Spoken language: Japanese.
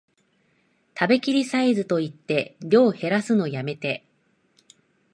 食べきりサイズと言って量へらすのやめて